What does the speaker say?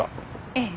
ええ。